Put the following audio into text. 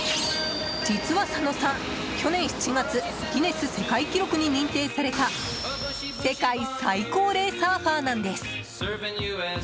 実は佐野さん、去年７月ギネス世界記録に認定された世界最高齢サーファーなんです。